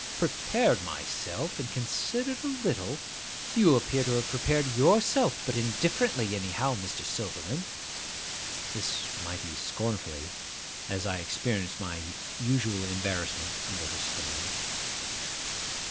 'Prepared myself; and considered a little! You appear to have prepared yourself but indifferently, anyhow, Mr. Silverman.' This mighty scornfully, as I experienced my usual embarrassment under her stare.